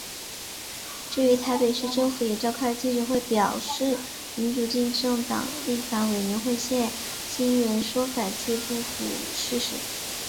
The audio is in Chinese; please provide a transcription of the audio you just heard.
至于台北市政府也召开记者会表示民主进步党立法委员谢欣霓说法皆不符事实。